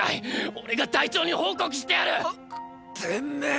俺が隊長に報告してやる！！っ！！てめぇ！！